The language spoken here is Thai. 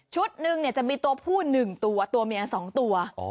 หนึ่งจะมีตัวผู้๑ตัวตัวเมีย๒ตัว